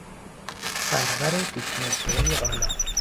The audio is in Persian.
سرور بیچون و چرای عالم